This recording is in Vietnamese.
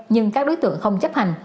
nhưng các đối tượng không chấp hành